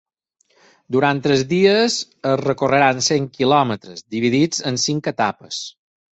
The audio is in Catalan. Durant tres dies, es recorreran cent quilòmetres, dividits en cinc etapes.